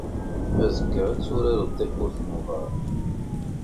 Azekka, ad turared takurt n uḍar.